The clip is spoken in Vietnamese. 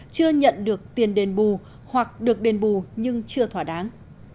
chưa nhận được tiền đền bù hoặc được đền bù nhưng chưa thỏa đáng